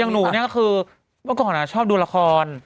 หนูเนี่ยก็คือเมื่อก่อนชอบดูละคร